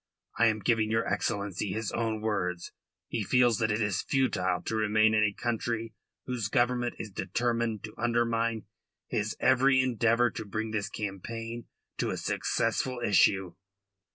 I am giving your Excellency his own words. He feels that it is futile to remain in a country whose Government is determined to undermine his every endeavour to bring this campaign to a successful issue.